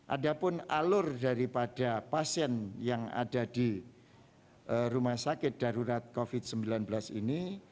ada pun alur daripada pasien yang ada di rumah sakit darurat covid sembilan belas ini